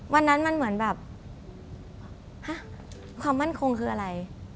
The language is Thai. วันนั้นมันเหมือนแบบความมั่นคงคืออะไร